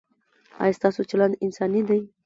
ایا ستاسو چلند انساني دی؟